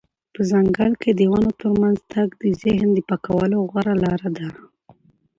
په ځنګل کې د ونو ترمنځ تګ د ذهن د پاکولو غوره لاره ده.